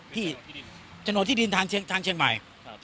ที่จนโดทิดินทางเชียงใหม่